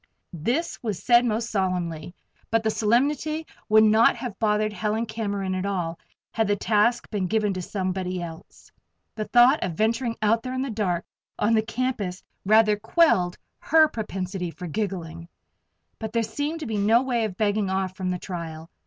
This was said most solemnly; but the solemnity would not have bothered Helen Cameron at all, had the task been given to somebody else! The thought of venturing out there in the dark on the campus rather quelled her propensity for giggling. But there seemed to be no way of begging off from the trial.